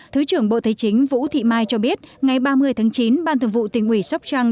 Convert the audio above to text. thứ trưởng bộ thế chính vũ thị mai cho biết ngày ba mươi tháng chín ban thường vụ tỉnh ủy sóc trăng